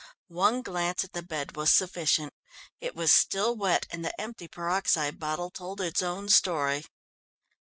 One glance at the bed was sufficient. It was still wet, and the empty peroxide bottle told its own story.